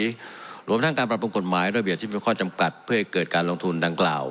รวมทั้งการปรับปรุงกฎหมายระเบียบที่เป็นข้อจำกัดเพื่อให้เกิดการลงทุนดังกล่าว